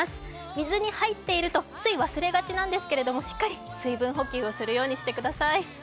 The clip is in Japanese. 水に入っているとつい忘れがちなんですけれどもしっかり水分補給をするようにしてください。